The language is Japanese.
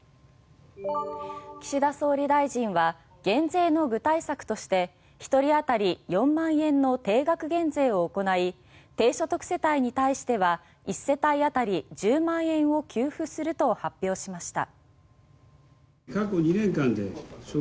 岸田総理大臣は減税の具体策として１人当たり４万円の定額減税を行い低所得世帯に対しては１世帯当たり１０万円を給付すると発表しました。